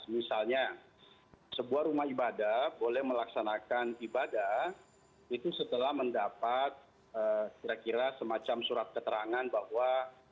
misalnya sebuah rumah ibadah boleh melaksanakan ibadah itu setelah mendapat kira kira semacam surat keterangan bahwa